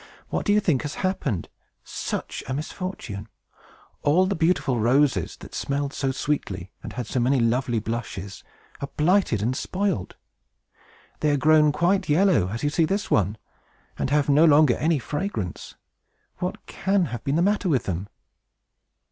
What do you think has happened? Such a misfortune! All the beautiful roses, that smelled so sweetly and had so many lovely blushes, are blighted and spoilt! They are grown quite yellow, as you see this one, and have no longer any fragrance! What can have been the matter with them?"